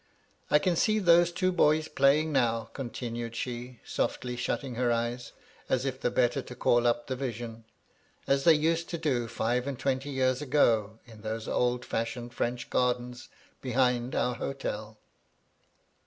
"I can see those two boys playing now," continued she, softly, shutting her eyes, as if the better to call up the vision, " as they used to do five and twenty years ago in those old fashioned French gardens behind our hotel.